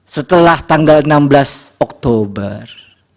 setelah tanggal enam belas oktober